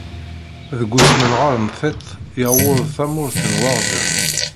Deg usmenɣer n tiṭ, yuweḍ tamurt n Waɣzen.